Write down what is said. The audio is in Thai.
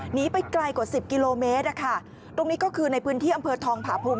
หนีไปไกลกว่าสิบกิโลเมตรอะค่ะตรงนี้ก็คือในพื้นที่อำเภอทองผาภูมิ